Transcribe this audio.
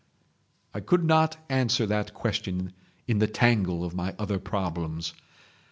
"I could not answer that question in the tangle of my other problems.